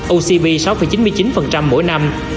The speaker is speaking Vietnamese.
ocb sáu chín mươi chín mỗi năm